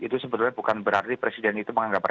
itu sebenarnya bukan berarti presiden itu tidak panik